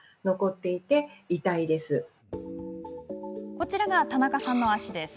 こちらが田中さんの足です。